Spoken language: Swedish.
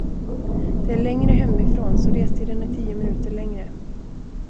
Det är längre hemifrån, så restiden är tio minuter längre.